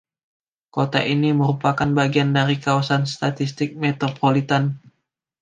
Kota ini merupakan bagian dari kawasan statistik metropolitan.